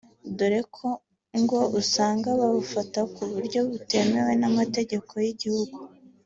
dore ko ngo usanga babufata ku buryo butemewe n’amategeko y’iki gihugu